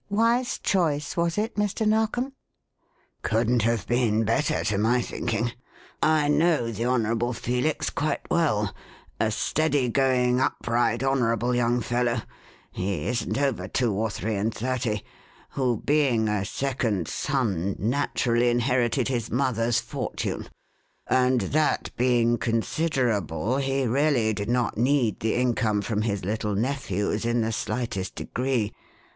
Wise choice, was it, Mr. Narkom?" "Couldn't have been better, to my thinking. I know the Honourable Felix quite well: a steady going, upright, honourable young fellow (he isn't over two or three and thirty), who, being a second son, naturally inherited his mother's fortune, and that being considerable, he really did not need the income from his little nephew's in the slightest degree.